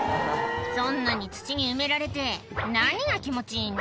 そんなに土に埋められて何が気持ちいいの？